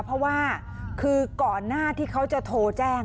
เพราะว่าคือก่อนหน้าที่เขาจะโทรแจ้ง